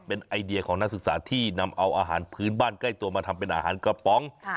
เป็นไอเดียของนักศึกษาที่นำเอาอาหารพื้นบ้านใกล้ตัวมาทำเป็นอาหารกระป๋อง